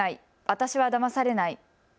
私はだまされない。